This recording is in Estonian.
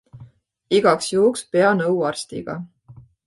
Igaks juhuks pea nõu arstiga.